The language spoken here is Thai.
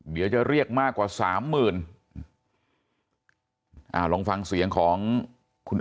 เดี๋ยวจะเรียกมากกว่าสามหมื่น